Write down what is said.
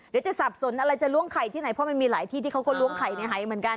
จะสับสนอะไรจะล้วงไข่ที่ไหนเพราะมันมีหลายที่ที่เขาก็ล้วงไข่ในหายเหมือนกัน